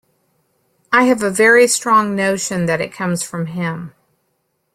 I have a very strong notion that it comes from him.